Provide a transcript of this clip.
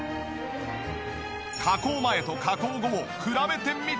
加工前と加工後を比べてみた。